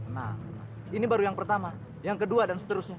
nah ini baru yang pertama yang kedua dan seterusnya